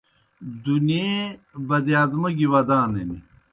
دُنیے بَدِیادمو گیْ ودانِن۔